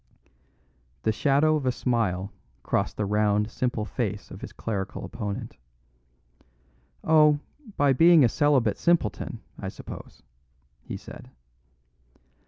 The shadow of a smile crossed the round, simple face of his clerical opponent. "Oh, by being a celibate simpleton, I suppose," he said.